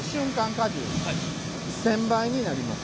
荷重１，０００倍になります。